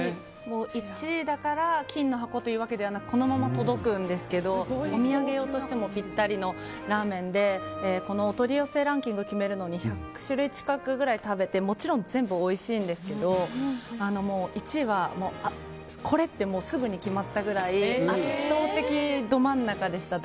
１位だから金の箱というわけではなくこのまま届くんですけどお土産用としてもぴったりのラーメンでお取り寄せランキング決めるのに１００種類近くくらい食べてもちろん全部おいしいんですけど１位は、これ！ってすぐに決まったぐらい圧倒的ど真ん中でした。